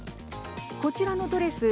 こちらのドレス。